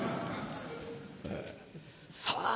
さあ